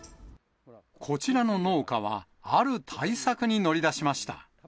こちらの農家は、ある対策に乗り出しました。